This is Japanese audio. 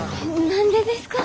何でですか？